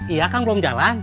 iya kang belum jalan